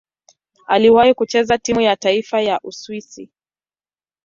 Aliwahi kucheza timu ya taifa ya Uswisi.